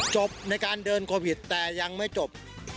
จบในการเดินโควิดแต่ยังไม่จบ